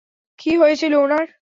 কী হয়েছিল ওনার?